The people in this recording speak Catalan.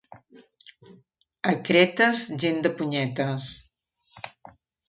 A Cretes, gent de punyetes.